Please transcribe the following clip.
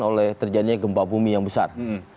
oleh terjadinya gempa bumi yang besar